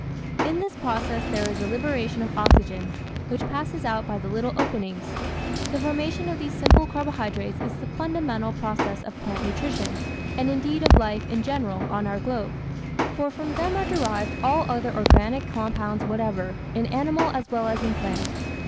In this process there is a liberation of oxygen, which passes out by the little openings. The formation of these simple carbohydrates is the fundamental process of plant nutrition, and indeed of life in general on our globe, for from them are derived all other organic compounds whatever, in animal as well as in plant.